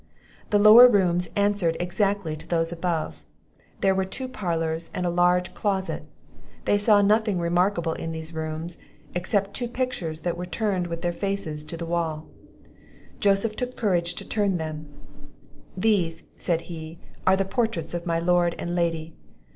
The lower rooms answered exactly to those above; there were two parlours and a large closet. They saw nothing remarkable in these rooms, except two pictures, that were turned with their faces to the wall. Joseph took the courage to turn them. "These," said he, "are the portraits of my lord and lady.